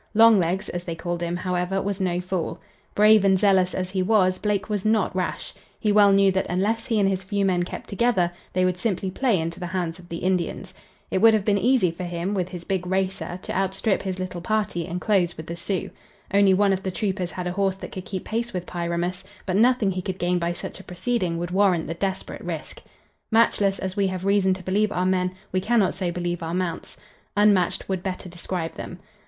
"Long Legs," as they called him, however, was no fool. Brave and zealous as he was, Blake was not rash. He well knew that unless he and his few men kept together they would simply play into the hands of the Indians. It would have been easy for him, with his big racer, to outstrip his little party and close with the Sioux. Only one of the troopers had a horse that could keep pace with Pyramus, but nothing he could gain by such a proceeding would warrant the desperate risk. Matchless as we have reason to believe our men, we cannot so believe our mounts. Unmatched would better describe them.